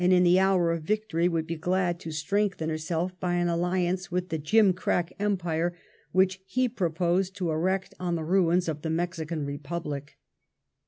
227 in the hour of yictory would be glad to strengthen herself by an alliance with the gimcrack Empire whiek he proposed to erect on the ruins of the Mexican Re public.